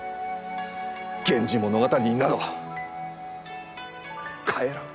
「源氏物語」になど帰らん。